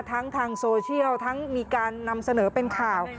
ทั้งทางโซเชียลทั้งมีการนำเสนอเป็นข่าว